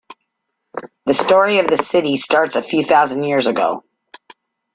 The story of the city starts a few thousand years ago.